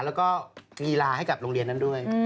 แล้วก็กีฬาให้กับโรงเรียนนั้นด้วย